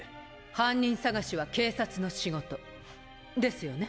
犯人捜しは警察の仕事ですよね？